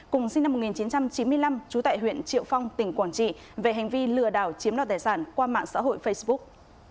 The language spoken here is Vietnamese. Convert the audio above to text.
cùng sinh năm một nghìn chín trăm chín mươi năm trú tại huyện triệu phong tỉnh quảng trị về hành vi lừa đảo chiếm đoạt tài sản qua mạng xã hội facebook